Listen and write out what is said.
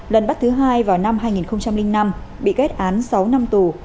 lần bắt thứ hai vào năm hai nghìn năm bị kết án sáu năm tù